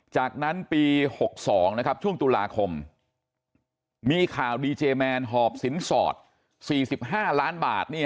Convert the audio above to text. จากนั้นปี๖๒ช่วงตุลาคมมีข่าวดีเจแมนหอบสินสอด๔๕ล้านบาท